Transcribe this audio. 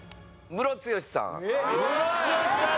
ムロツヨシさん